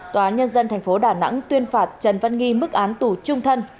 tòa án nhân dân tp đà nẵng tuyên phạt trần văn nghì mức án tù trung thân